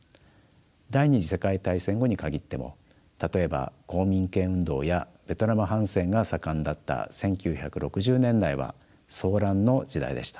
第２次世界大戦後に限っても例えば公民権運動やベトナム反戦が盛んだった１９６０年代は騒乱の時代でした。